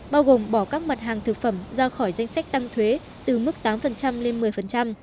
bao gồm bỏ các mặt hàng thực phẩm ra khỏi danh sách tăng thuế từ mức tám lên một mươi